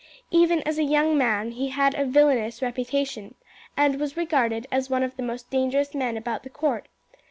Even as a young man he had a villainous reputation, and was regarded as one of the most dangerous men about the court.